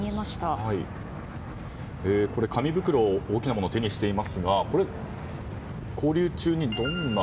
紙袋、大きなものを手にしていますが勾留中にどんな。